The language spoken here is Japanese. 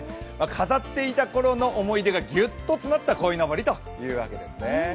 飾っていたころの思い出がぎゅっと詰まったこいのぼりということですね。